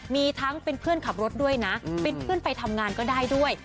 มีทั้งเป็นเพื่อนขับรถด้วยนะเป็นเพื่อนไปทำงานก็ได้ด้วย